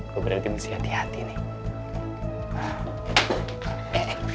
gue berarti mesti hati hati nih